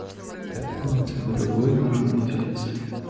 Поэтому нам следует удвоить нашу бдительность.